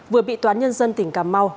vừa bị toán nhân dân tỉnh cà mau